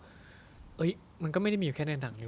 มันก็ไม่ได้มีอยู่แค่ในหนังเอ้